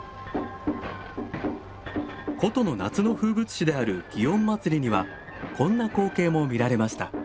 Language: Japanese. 古都の夏の風物詩である園祭にはこんな光景も見られました。